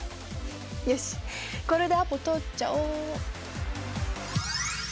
よしこれでアポ取っちゃおう。